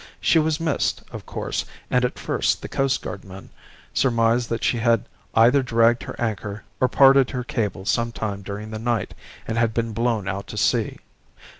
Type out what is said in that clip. She was missed, of course, and at first the Coastguardmen surmised that she had either dragged her anchor or parted her cable some time during the night, and had been blown out to sea.